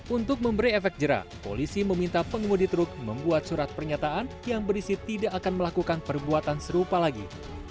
untuk memberi efek jerah polisi meminta pengemudi truk membuat surat pernyataan yang berisi tidak akan melakukan perbuatan serupa lagi